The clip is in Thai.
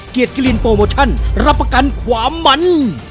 เกียรติกิรินโปรโมชั่นรับประกันความมัน